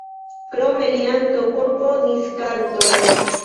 Krome li ankaŭ komponis kantojn.